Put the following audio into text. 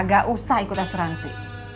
gak usah ikut asuransi